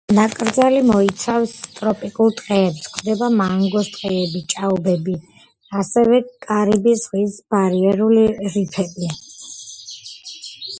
ნაკრძალი მოიცავს ტროპიკულ ტყეებს, გვხვდება მანგოს ტყეები, ჭაობები, ასევე კარიბის ზღვის ბარიერული რიფები.